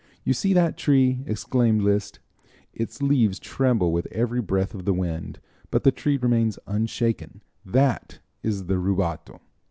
"You see that tree," exclaimed Liszt; "its leaves tremble with every breath of the wind, but the tree remains unshaken that is the rubato."